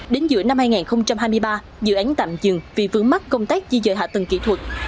đến giữa năm hai nghìn hai mươi ba dự án tạm dừng vì vướng mắt công tác di dời hạ tầng kỹ thuật